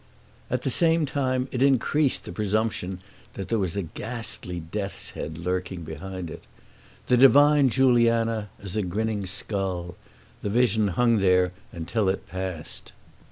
At the same time it increased the presumption that there was a ghastly death's head lurking behind it. The divine Juliana as a grinning skull the vision hung there until it passed.